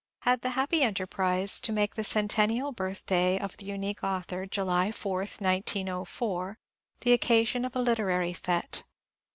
had the happy enterprise to make the centennial birthday of the unique author, July 4, 1904, the occasion of a literaiy fete.